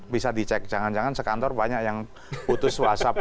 bisa dicek jangan jangan sekantor banyak yang putus whatsapp